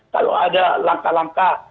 kalau ada langkah langkah